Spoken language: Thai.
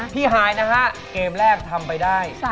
ฮายนะฮะเกมแรกทำไปได้